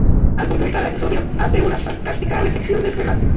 Al concluir cada episodio hace una sarcástica reflexión del relato.